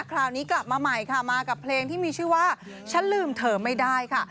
คราวนี้กลับมาใหม่ค่ะมากับเพลงที่มีชื่อว่าฉันลืมเธอไม่ได้ค่ะ